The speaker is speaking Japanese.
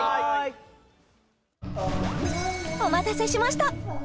お待たせしました！